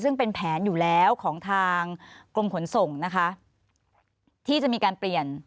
ซึ่งเป็นแผนอยู่แล้วของทางกรมขนส่งนะคะที่จะมีการเปลี่ยน